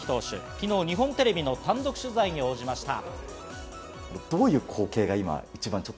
昨日、日本テレビの単独取材に応じました。